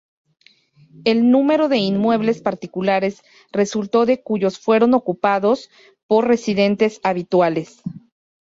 El número de inmuebles particulares resultó de cuyos fueron ocupados por residentes habituales.